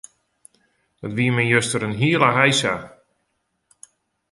Dat wie my juster in hiele heisa.